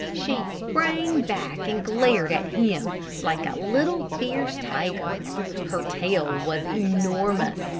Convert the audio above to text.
She sprang back and glared at him like a little, fierce tiger. Her tail was enormous.